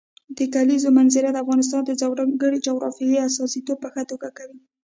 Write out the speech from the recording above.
د کلیزو منظره د افغانستان د ځانګړي جغرافیې استازیتوب په ښه توګه کوي.